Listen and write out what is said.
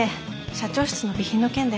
社長室の備品の件で。